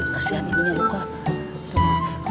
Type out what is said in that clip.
kasihan ini tuhan